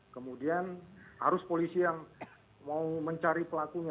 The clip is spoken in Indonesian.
kemudian harus polisi yang mau mencari pelakunya